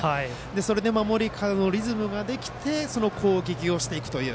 それで守りからのリズムができて攻撃をしていくという。